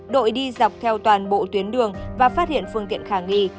đội đi dọc theo toàn bộ tuyến đường và phát hiện phương tiện khả nghi